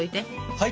はい。